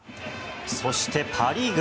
そして、パ・リーグ。